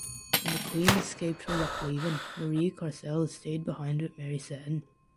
When the queen escaped from Lochleven Marie Courcelles stayed behind with Mary Seton.